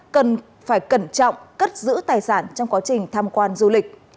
cần phải cẩn trọng cất giữ tài sản trong quá trình tham quan du lịch